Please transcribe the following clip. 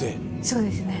そうですね。